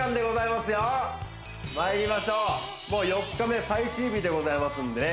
まいりましょうもう４日目最終日でございますんでね